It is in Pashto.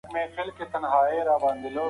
هغه د خلکو د مرستې لپاره ډېر کار وکړ.